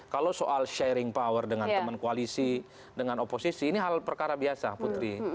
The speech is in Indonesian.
kalau soal sharing power dengan teman koalisi dengan oposisi ini hal perkara biasa putri